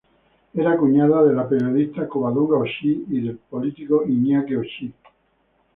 Era cuñado de la periodista Covadonga O'Shea y del político Iñaki O'Shea.